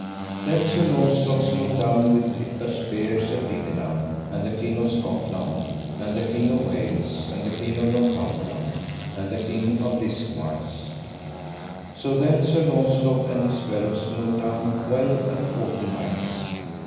Then Sir Launcelot smote down with a spear Sir Dinadan, and the King of Scotland, and the King of Wales, and the King of Northumberland, and the King of Listinoise. So then Sir Launcelot and his fellows smote down well a forty knights.